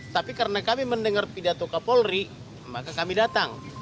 tapi karena kami mendengar pidato kapolri maka kami datang